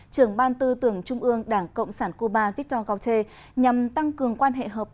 trưởng ban tư tưởng trung ương đảng cộng sản cuba victor gautier nhằm tăng cường quan hệ hợp